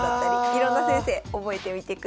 いろんな先生覚えてみてください。